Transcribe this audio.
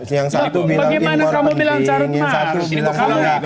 yang satu bilang imor penting yang satu bilang itu enggak